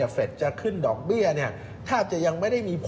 เฟรดจะขึ้นดอกเบี้ยถ้าจะยังไม่ได้มีผล